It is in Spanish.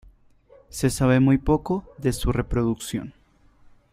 Se sabe muy poco de su reproducción.